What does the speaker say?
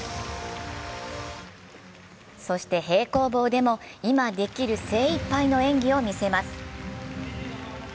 そして、平行棒でも今できる精いっぱいの演技を見せます。